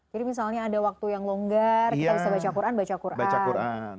jadi misalnya ada waktu yang longgar kita bisa baca quran baca quran